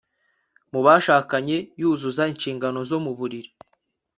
mu bashakanye yuzuza inshingano zo mu buriri